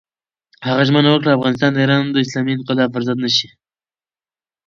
هغه ژمنه وکړه، افغانستان د ایران د اسلامي انقلاب پر ضد نه شي.